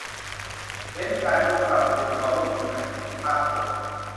เน้นการยกระดับไปสู่ความร่วมมือกันของทุกภาคส่วน